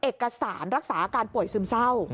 เอกสารรักษาอาการป่วยซึมเศร้า